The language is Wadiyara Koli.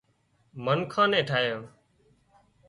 منکان نين ٺاهيان